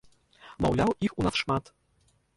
Маўляў, іх у нас шмат.